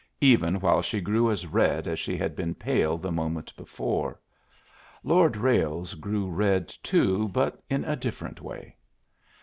even while she grew as red as she had been pale the moment before. Lord Ralles grew red too, but in a different way.